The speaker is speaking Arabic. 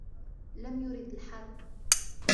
لم يرد الحرب.